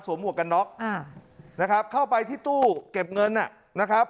หมวกกันน็อกอ่านะครับเข้าไปที่ตู้เก็บเงินนะครับ